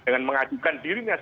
dengan mengajukan dirinya